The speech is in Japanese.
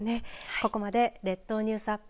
ここまで列島ニュースアップ